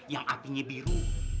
yang apinya biru